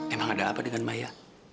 emang ada apa dengan maya